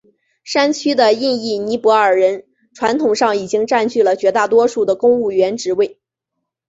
山区的印裔尼泊尔人传统上已经占据了绝大多数的公务员职位。